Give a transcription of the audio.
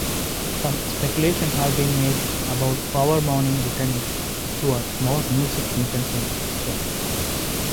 Some speculations have been made about Power mornings returning to a more music-intensive show.